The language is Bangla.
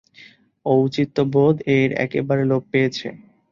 ঔচিত্যবোধ ওর একেবারে লোপ পেয়েছে।